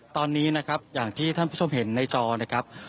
ตอนนี้นะครับอย่างที่ท่านผู้ชมเห็นในจอนะครับ